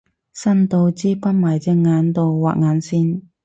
伸到支筆埋隻眼度畫眼線